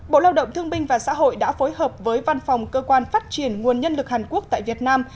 bộ lao động thương binh và xã hội đã phối hợp với văn phòng cơ quan phát triển nguồn nhân lực hàn quốc tại việt nam